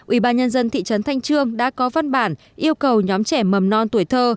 ủy ban nhân dân thị trấn thanh trương đã có văn bản yêu cầu nhóm trẻ mầm non tuổi thơ